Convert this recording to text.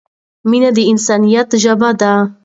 مینه د انسانیت ژبه ده.